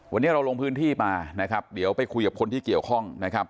วันนี้เราลงพื้นที่มานะครับเดี๋ยวไปคุยกับคนที่เกี่ยวข้องนะครับ